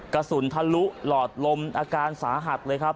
กระสุนทะลุหลอดลมอาการสาหัสเลยครับ